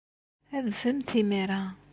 Adfemt imir-a.